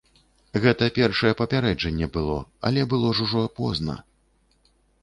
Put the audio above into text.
Гэта першае папярэджанне было, але было ж ужо позна.